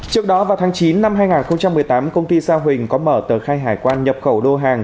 trước đó vào tháng chín năm hai nghìn một mươi tám công ty sa huỳnh có mở tờ khai hải quan nhập khẩu đô hàng